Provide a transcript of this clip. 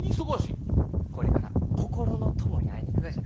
これから心の友に会いに行くがじゃ。